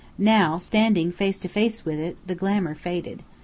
Now, standing face to face with it, the glamour faded.